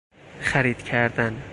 خرید کردن